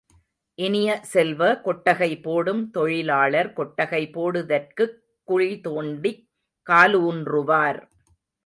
இனிய செல்வ, கொட்டகை போடும் தொழிலாளர் கொட்டகை போடுதற்குக் குழிதோண்டிக் காலூன்றுவார்.